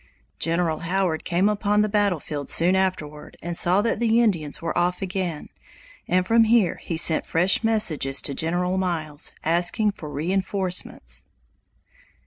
General Howard came upon the battle field soon afterward and saw that the Indians were off again, and from here he sent fresh messages to General Miles, asking for reinforcements.